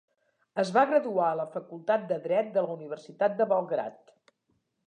Es va graduar a la Facultat de Dret de la Universitat de Belgrad.